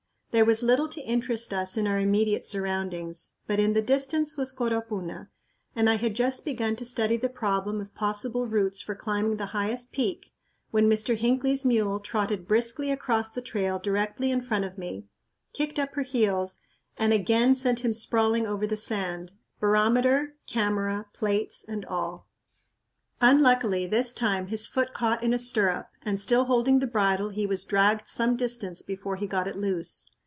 There was little to interest us in our immediate surroundings, but in the distance was Coropuna, and I had just begun to study the problem of possible routes for climbing the highest peak when Mr. Hinckley's mule trotted briskly across the trail directly in front of me, kicked up her heels, and again sent him sprawling over the sand, barometer, camera, plates, and all. Unluckily, this time his foot caught in a stirrup and, still holding the bridle, he was dragged some distance before he got it loose.